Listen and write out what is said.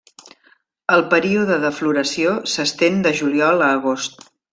El període de floració s'estén de juliol a agost.